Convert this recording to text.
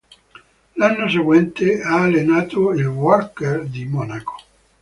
L'anno seguente ha allenato il Wacker di Monaco.